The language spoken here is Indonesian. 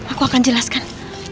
aku akan jelaskan